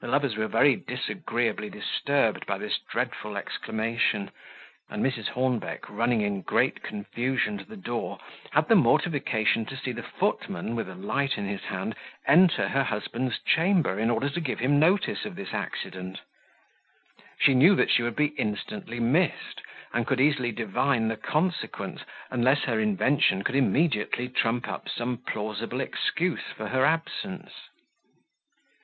The lovers were very disagreeably disturbed by this dreadful exclamation; and Mrs. Hornbeck, running in great confusion to the door, had the mortification to see the footman, with a light in his hand, enter her husband's chamber, in order to give him notice of this accident. She knew that she would be instantly missed, and could easily divine the consequence, unless her invention could immediately trump up some plausible excuse for her absence.